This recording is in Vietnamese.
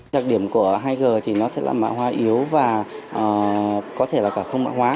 đặc điểm của hai g thì nó sẽ là mạng hoa yếu và có thể là cả không mạng hóa